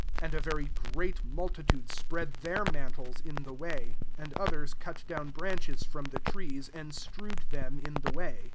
8 And a very great mul titude spread their mantles in the way ; and others cut down branches from the trees, and strewed them in the way.